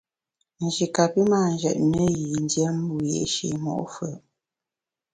Nji kapi mâ njetne i yin dié wiyi’shi mo’ fù’.